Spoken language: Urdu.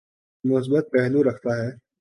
مثبت پہلو رکھتا ہے۔